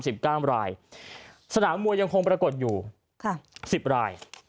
สถานบันทึงมันยังคงปรากฏอยู่๑๐ราย